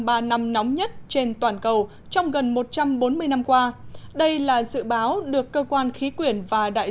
ba năm nóng nhất trên toàn cầu trong gần một trăm bốn mươi năm qua đây là dự báo được cơ quan khí quyển và đại